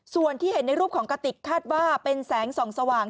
ส่วนที่เห็นในรูปของกระติกคาดว่าเป็นแสงส่องสว่าง